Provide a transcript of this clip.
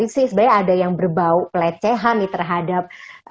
sebenarnya ada yang berbau pelecehan terhadap